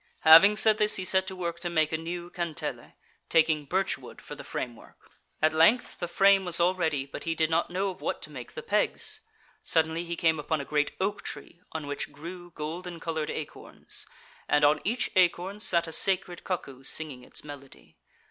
Having said this he set to work to make a new kantele, taking birch wood for the framework. At length the frame was all ready, but he did not know of what to make the pegs. Suddenly he came upon a great oak tree on which grew golden coloured acorns, and on each acorn sat a sacred cuckoo singing its melody.